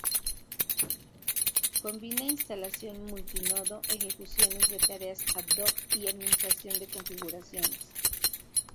Combina instalación multi-nodo, ejecuciones de tareas ad hoc y administración de configuraciones.